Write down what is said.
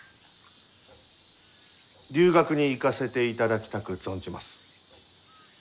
留学に行かせていただきたく存じます。